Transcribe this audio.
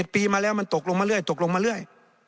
๗ปีมาแล้วมันตกลงมาเรื่อย